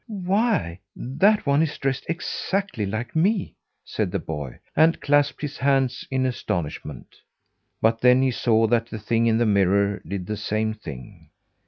"Why, that one is dressed exactly like me!" said the boy, and clasped his hands in astonishment. But then he saw that the thing in the mirror did the same thing.